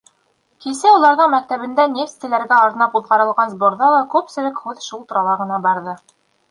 Кисә уларҙың мәктәбендә нефтселәргә арнап уҙғарылған сборҙа ла күпселек һүҙ шул турала ғына барҙы.